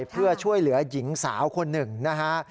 เพื่อช่วยเหลือหญิงสาวคนหนึ่งนะฮะ